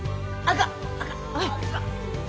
あっ。